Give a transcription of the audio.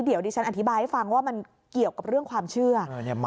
เดี๋ยวดิฉันอธิบายให้ฟังว่ามันเกี่ยวกับเรื่องความเชื่อ